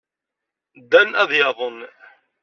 Dan ad yaḍen.